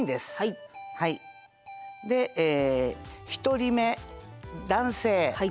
で１人目「男性」。